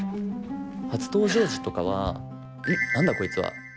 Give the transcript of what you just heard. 初登場時とかは「うん？何だこいつは。